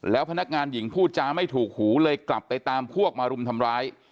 แล้วพนักงานหญิงพูดจาไม่ถูกหูเลยกลับไปตามพวกมารุมทำร้าย